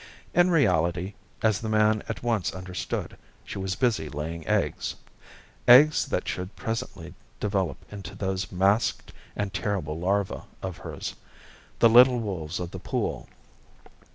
In reality, as the man at once understood, she was busy laying eggs, eggs that should presently develop into those masked and terrible larvæ of hers, the little wolves of the pool.